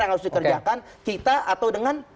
yang harus dikerjakan kita atau dengan